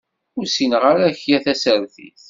Ur ssineɣ ara akya tasertit.